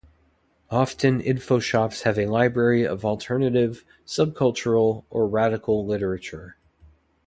Often infoshops have a library of alternative, subcultural or radical literature.